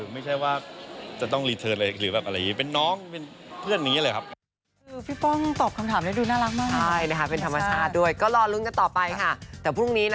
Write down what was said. ไม่ใช่ว่าจะต้องรีเทิร์นอะไรหรือแบบอะไรอย่างนี้